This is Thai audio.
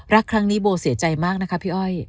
รักครั้งนี้โบเสียใจมากนะคะพี่อ้อย